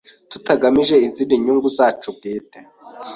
tutagamije izindi nyungu zacu bwite